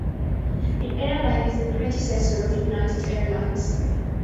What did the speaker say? The airline is the predecessor of United Airlines.